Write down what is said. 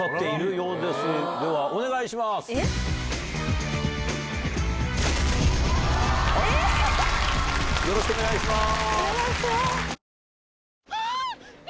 よろしくお願いします。